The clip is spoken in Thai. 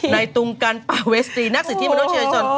ในตรงการประเวสตีนักสิทธิ์มนุษยชายสน